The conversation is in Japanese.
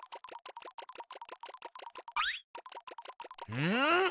うん？